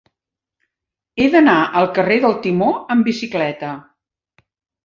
He d'anar al carrer del Timó amb bicicleta.